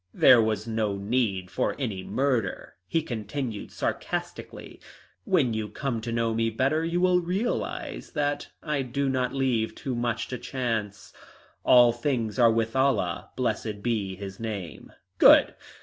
"There was no need for any murder," he continued sarcastically. "When you come to know me better you will realise that I do not leave too much to chance. 'All things are with Allah, blessed be his name.' Good!